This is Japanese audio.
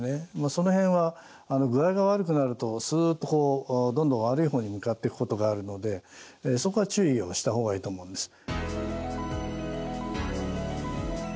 その辺は具合が悪くなるとすっとどんどん悪い方に向かっていくことがあるのでそこは注意をした方がいいと思うんです。